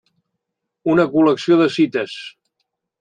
Una col·lecció de cites.